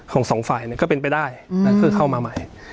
สองฝ่ายก็เป็นไปได้คือเข้ามาใหม่